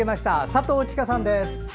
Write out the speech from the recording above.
佐藤千佳さんです。